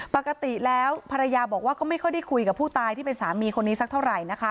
ปกติแล้วภรรยาบอกว่าก็ไม่ค่อยได้คุยกับผู้ตายที่เป็นสามีคนนี้สักเท่าไหร่นะคะ